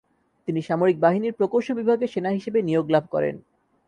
তিনি সামরিক বাহিনীর প্রকৌশল বিভাগে সেনা হিসেবে নিয়োগ লাভ করেন।